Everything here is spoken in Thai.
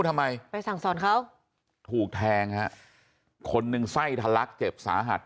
ทำไมไปสั่งสอนเขาถูกแทงฮะคนหนึ่งไส้ทะลักเจ็บสาหัส